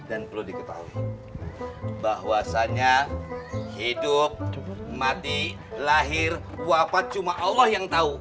dan perlu diketahui bahwasannya hidup mati lahir wafat cuma allah yang tahu